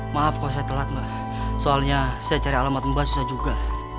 maaf kalau saya telat mbak soalnya saya cari alamat mbak susah juga